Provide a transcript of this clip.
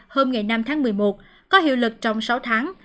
hôm năm tháng một mươi một có hiệu lực trong sáu tháng